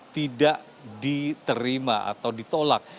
tidak diterima atau ditolak